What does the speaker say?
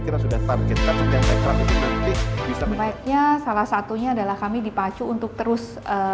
pembaiknya salah satunya adalah kami dipacu untuk terus